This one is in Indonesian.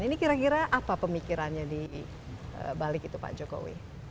ini kira kira apa pemikirannya di balik itu pak jokowi